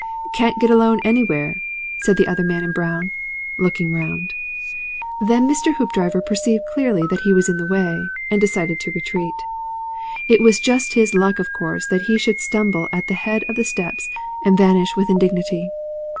"Can't get alone anywhere," said the other man in brown, looking round. Then Mr. Hoopdriver perceived clearly that he was in the way, and decided to retreat. It was just his luck of course that he should stumble at the head of the steps and vanish with indignity.